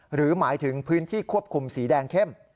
หรือหมายถึงพื้นที่ควบคุมสีแดงเข้ม